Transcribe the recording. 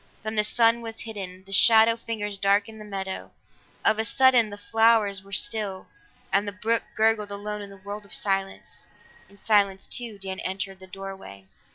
Then the sun was hidden; the shadow fingers darkened the meadow; of a sudden the flowers were still, and the brook gurgled alone in a world of silence. In silence too, Dan entered the doorway.